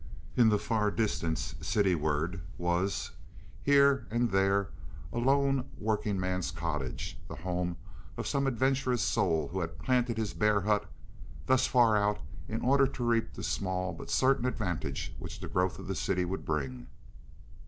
In the far distance, cityward, was, here and there, a lone working man's cottage, the home of some adventurous soul who had planted his bare hut thus far out in order to reap the small but certain advantage which the growth of the city would bring.